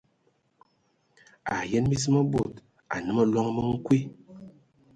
A yən mis mə bod anə məloŋ mə nkoe.